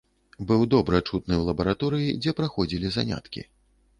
Быў добра чутны ў лабараторыі, дзе праходзілі заняткі.